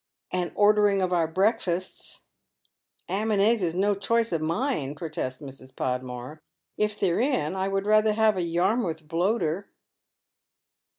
" And ordering of our breakfastes." " 'Am and eggs is no choice of mine," protests Mrs. Podmore. " If they're in, I would rather have a Yarmouth bloater."